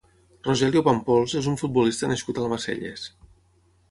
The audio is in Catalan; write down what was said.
Rogelio Pampols és un futbolista nascut a Almacelles.